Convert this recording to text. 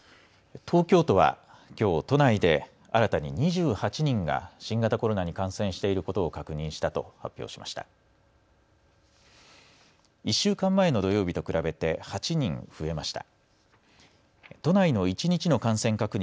東京都は、きょう都内で新たに２８人が新型コロナに感染していることを確認したと発表しました。